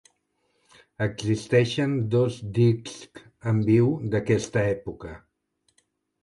Existeixen dos discs en viu d'aquesta època.